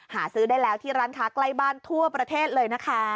หาซื้อได้แล้วที่ร้านค้าใกล้บ้านทั่วประเทศเลยนะคะ